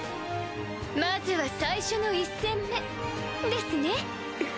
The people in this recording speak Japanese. まずは最初の１戦目ですね。